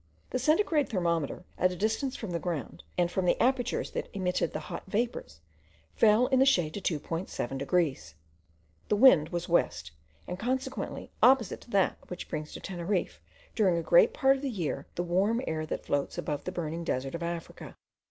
The centigrade thermometer, at a distance from the ground, and from the apertures that emitted the hot vapours, fell in the shade to 2.7 degrees. The wind was west, and consequently opposite to that which brings to Teneriffe, during a great part of the year, the warm air that floats above the burning desert of Africa.